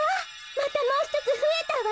またもうひとつふえたわ。